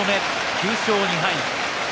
９勝２敗